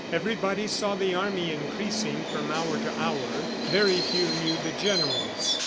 Everybody saw the army increasing from hour to hour: very few knew the generals.